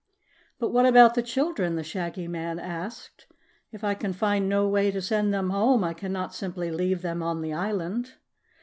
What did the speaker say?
"But what about the children?" the Shaggy Man asked. "If I can find no way to send them home, I cannot simply leave them on the island."